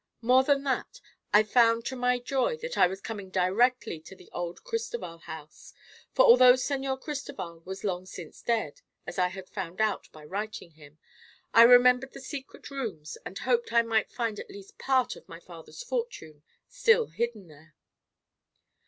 More than that, I found to my joy that I was coming directly to the old Cristoval house, for although Señor Cristoval was long since dead—as I had found out by writing him—I remembered the secret rooms and hoped I might find at least a part of my father's fortune still hidden there.